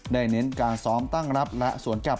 เน้นการซ้อมตั้งรับและสวนกลับ